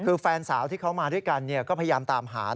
คือแฟนสาวที่เขามาด้วยกันก็พยายามตามหา